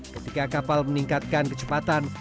ketika kapal meningkatkan kecepatan